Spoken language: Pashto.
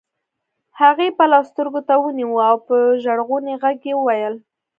هغې پلو سترګو ته ونيوه او په ژړغوني غږ يې وويل.